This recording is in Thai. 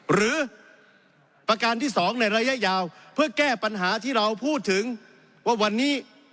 หรือประการที่๒ในระยะยาวเพื่อแก้ปัญหาที่เราพูดถึงว่าวันนี้